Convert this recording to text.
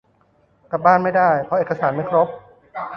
กลับบ้านไม่ได้ เพราะเอกสารไม่ครบ